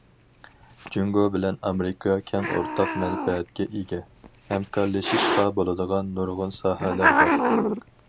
جۇڭگو بىلەن ئامېرىكا كەڭ ئورتاق مەنپەئەتكە ئىگە، ھەمكارلىشىشقا بولىدىغان نۇرغۇن ساھەلەر بار.